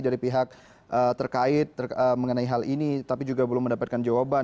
dari pihak terkait mengenai hal ini tapi juga belum mendapatkan jawaban